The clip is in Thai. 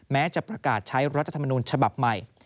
แม้จะประกาศใช้รัฐธรรมนูญฉบับใหม่